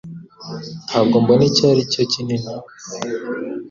Ntabwo mbona icyo aricyo kinini